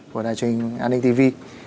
của truyền hình an ninh tv